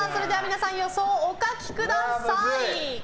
予想をお書きください。